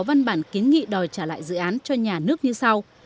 văn bản kiến nghị đòi trả lại dự án cho nhà nước như sau